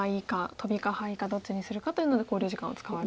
トビかハイかどっちにするかというので考慮時間を使われたと。